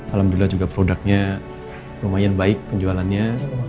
alhamdulillah juga produknya lumayan baik penjualannya